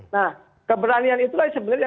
nah keberanian itulah yang sebenarnya